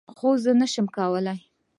خو موږ نشو کولی.